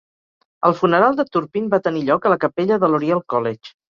El funeral de Turpin va tenir lloc a la capella de l'Oriel College.